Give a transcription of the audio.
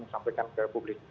sampaikan ke publik